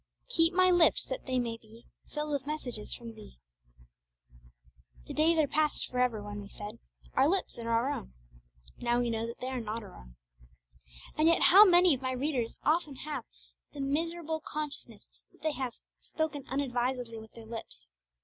'Keep my lips, that they may be Filled with messages from Thee.' The days are past for ever when we said, 'Our lips are our own.' Now we know that they are not our own. And yet how many of my readers often have the miserable consciousness that they have 'spoken unadvisedly with their lips'!